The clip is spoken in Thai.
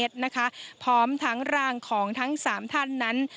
ของจังหวัดระยองราวห้าร้อยเมตรนะคะพร้อมทางร่างของทั้งสามท่านนั้น